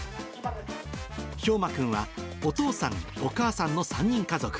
兵真君は、お父さん、お母さんの３人家族。